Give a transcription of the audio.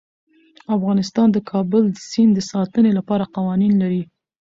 افغانستان د د کابل سیند د ساتنې لپاره قوانین لري.